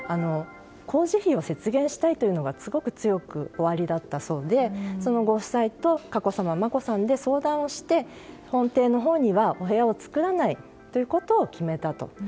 工事費を節減したいというのがすごく強くおありだったそうでご夫妻と佳子さま、眞子さんで相談をして、本邸のほうにはお部屋を作らないということを決めたと。